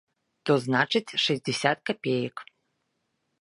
То, значыць, шэсцьдзесят капеек.